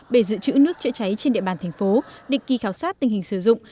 bể dự trữ nước chữa cháy trên địa bàn thành phố định kỳ khảo sát tình hình sử dụng